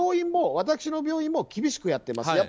私の病院も厳しくやっています。